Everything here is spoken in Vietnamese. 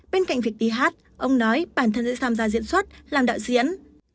bên cạnh việc đi hát ông nói bản thân sẽ tham gia diễn xuất làm đạo diễn